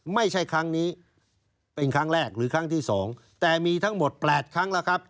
ไม่ใช่ครั้งนี้เป็นครั้งแรกหรือครั้งที่สองแต่มีทั้งหมด๘ครั้งแล้วครับ